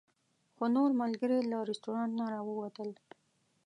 خو نور ملګري له رسټورانټ نه راووتل.